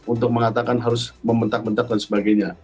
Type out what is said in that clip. untuk mengatakan harus membentak bentak dan sebagainya